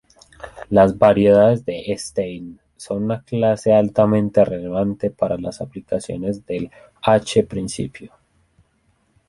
Las variedades de Stein son una clase altamente relevante para aplicaciones del "h"-principio.